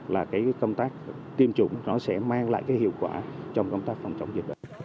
là công tác tiêm chủng sẽ mang lại hiệu quả trong công tác phòng chống dịch bệnh